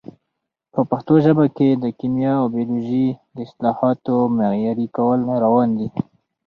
په پښتو ژبه کې د کیمیا او بیولوژي د اصطلاحاتو معیاري کول روان دي.